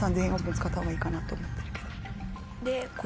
使った方がいいかなと思ってるけど。